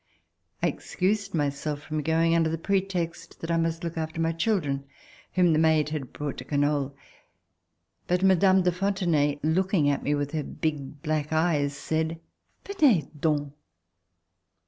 I excused myself from going under the pretext that I must look after my children whom the maid had brought to Canoles. But Mme. de Fontenay, looking at me with her big black eyes, said: "Venez done!"